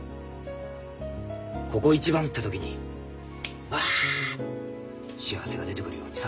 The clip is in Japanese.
ここ一番って時にワア幸せが出てくるようにさ